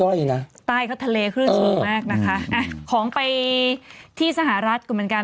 ก็ไม่ใช่ย่อยนะใต้เขาทะเลขึ้นสูงมากนะคะของไปที่สหรัฐก็เหมือนกัน